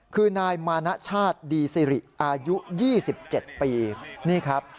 คือนายมานะชาติดีซิริอายุยี่สิบเจ็บปีนี่ครับ